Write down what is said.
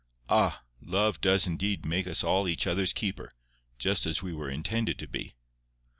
Ah! love does indeed make us all each other's keeper, just as we were intended to be.